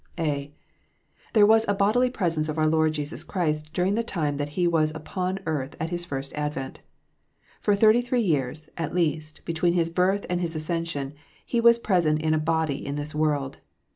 202 KNOTS UNTIED. (a) There was a bodily presence of our Lord Jesus Christ during the time that He was upon earth at His first advent. For thirty three years, at least, between His birth and His ascension, He was present in a body in this world.